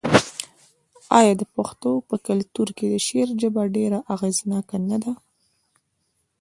آیا د پښتنو په کلتور کې د شعر ژبه ډیره اغیزناکه نه ده؟